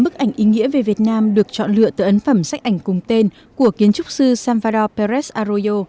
ba mươi tám bức ảnh ý nghĩa về việt nam được chọn lựa từ ấn phẩm sách ảnh cùng tên của kiến trúc sư salvador pérez arroyo